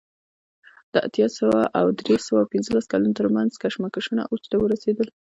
د اتیا اوه سوه او درې سوه پنځلس کلونو ترمنځ کشمکشونه اوج ته ورسېدل